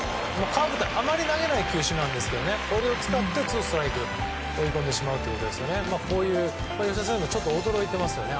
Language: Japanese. カーブってあまり投げない球種なんですけどこれを使ってツーストライクに追い込んで吉田選手もちょっと驚いてますね。